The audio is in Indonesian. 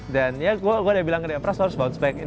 dan ya gue udah bilang ke dia pras lu harus bounce back